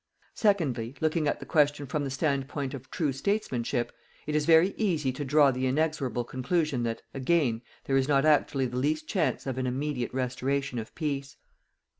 Secondly, looking at the question from the standpoint of true statesmanship, it is very easy to draw the inexorable conclusion that, again, there is not actually the least chance of an immediate restoration of peace.